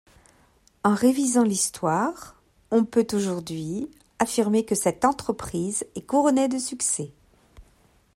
En révisant l’histoire, on peut, aujourd’hui, affirmer que cette entreprise est couronnée de succès.